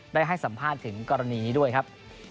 ได้ให้สัมภาษณ์ถึงกรณีนี้ด้วยครับ